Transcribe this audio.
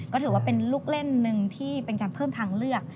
ก็ถือว่าเป็นลูกเล่นหนึ่งที่เป็นการเพิ่มทางเลือก